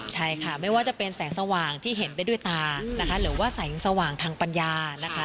ใช่ค่ะไม่ว่าจะเป็นแสงสว่างที่เห็นได้ด้วยตานะคะหรือว่าแสงสว่างทางปัญญานะคะ